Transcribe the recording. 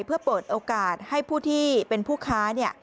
เพื่อเปิดโอกาสให้ผู้ที่เป็นผู้ค้า